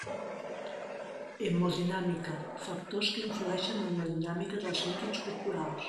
Hemodinàmica: factors que influeixen en la dinàmica dels líquids corporals.